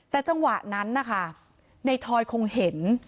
แต่จังหวะนั้นนะคะในทอยคงเห็น